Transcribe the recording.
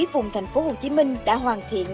vùng thành phố hồ chí minh đã hoàn thiện